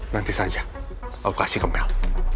nanti saja aku kasih ke mel